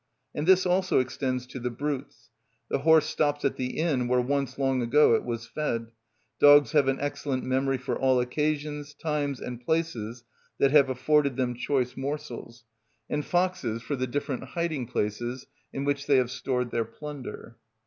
And this also extends to the brutes: the horse stops at the inn where once long ago it was fed; dogs have an excellent memory for all occasions, times, and places that have afforded them choice morsels; and foxes for the different hiding places in which they have stored their plunder.